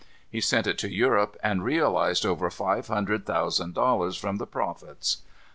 He sent it to Europe, and realized over five hundred thousand dollars from the profits.